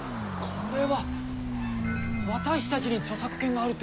これは私たちに著作権があるってことですね！